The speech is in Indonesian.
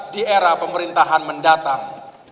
di era pemerintahan mendatang